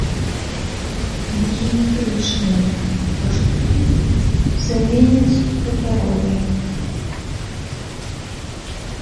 Біяметрычныя пашпарты заменяць папяровыя.